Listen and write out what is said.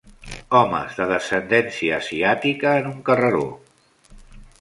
Homes de descendència asiàtica en un carreró.